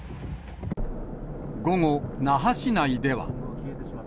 午後、那覇市内では。